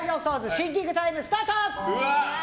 シンキングタイムスタート！